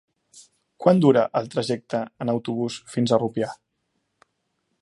Quant dura el trajecte en autobús fins a Rupià?